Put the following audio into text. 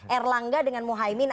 erlangga dengan mohaimin